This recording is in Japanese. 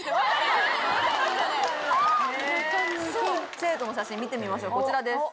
生徒の写真見てみましょうこちらです。